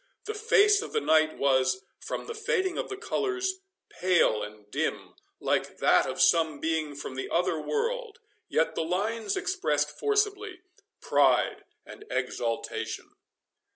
The face of the knight was, from the fading of the colours, pale and dim, like that of some being from the other world, yet the lines expressed forcibly pride and exultation.